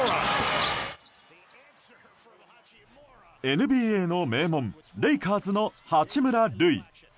ＮＢＡの名門、レイカーズの八村塁。